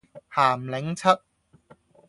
鹹檸七